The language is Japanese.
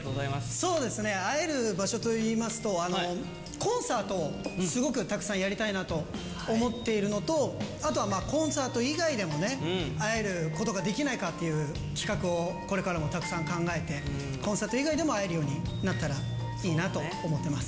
そうですね、会える場所といいますと、コンサートをすごくたくさんやりたいなと思っているのと、あとはコンサート以外でもね、会えることができないかっていう企画をこれからもたくさん考えて、コンサート以外でも会えるようになったらいいなと思ってます。